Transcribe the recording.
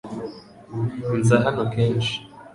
Nza hano kenshi .